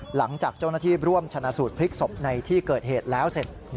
หลังจากเจ้าหน้าที่ร่วมชนะสูตรพลิกศพในที่เกิดเหตุแล้วเสร็จ